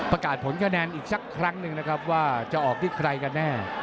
ประกาศผลคะแนนอีกสักครั้งหนึ่งนะครับว่าจะออกที่ใครกันแน่